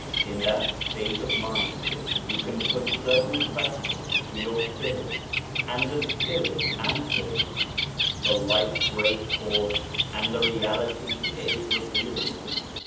In that state of mind you put certain questions to your spirit and the spirit answers : the light breaks forth and the reality is revealed.